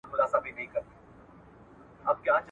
نه شهید او نه زخمي د چا په یاد وو !.